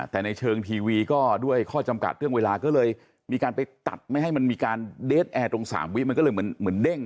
แต่ในเชิงทีวีก็ด้วยข้อจำกัดเรื่องเวลาก็เลยมีการไปตัดไม่ให้มันมีการเดสแอร์ตรง๓วิมันก็เลยเหมือนเด้ง